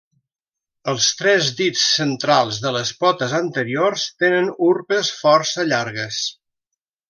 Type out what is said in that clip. Els tres dits centrals de les potes anteriors tenen urpes força llargues.